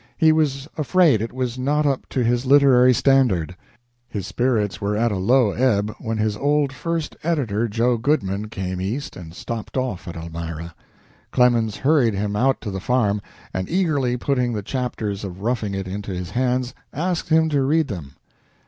He was afraid it was not up to his literary standard. His spirits were at low ebb when his old first editor, Joe Goodman, came East and stopped off at Elmira. Clemens hurried him out to the farm, and, eagerly putting the chapters of "Roughing It" into his hands, asked him to read them.